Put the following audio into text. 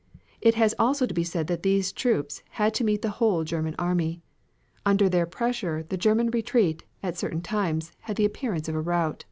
It has also to be said that these troops had to meet the whole Germany army. Under their pressure the German retreat at certain times had the appearance of a rout.